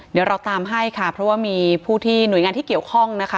เดี๋ยวเราตามให้ค่ะเพราะว่ามีผู้ที่หน่วยงานที่เกี่ยวข้องนะคะ